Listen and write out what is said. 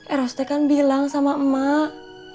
eros teh kan bilang sama emak